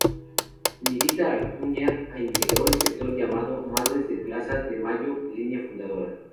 Mirta Acuña integró el sector llamado Madres de Plaza de Mayo Línea Fundadora.